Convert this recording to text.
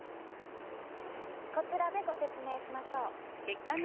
こちらでご説明しましょう。